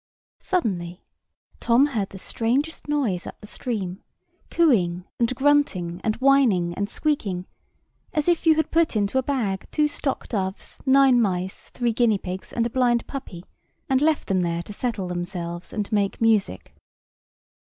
Suddenly, Tom heard the strangest noise up the stream; cooing, and grunting, and whining, and squeaking, as if you had put into a bag two stock doves, nine mice, three guinea pigs, and a blind puppy, and left them there to settle themselves and make music.